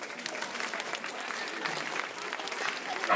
Ongeza nyanya na nyama peke yake vitunguu vikianza kuiva